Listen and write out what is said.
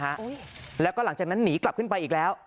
จากเขานะฮะแล้วก็หลังจากนั้นหนีกลับขึ้นไปอีกแล้ว